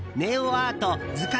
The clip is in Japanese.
アート図解